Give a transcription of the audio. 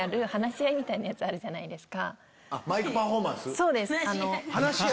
そうです。